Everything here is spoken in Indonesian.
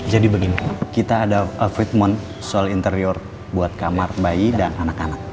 jadi begini kita ada fitment soal interior buat kamar bayi dan anak anak